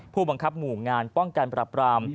ผู้บังคับหมู่งานป้องกันปรับราม